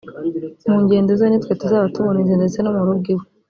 mu ngendo ze nitwe tuzaba tumurinze ndetse no mu rugo iwe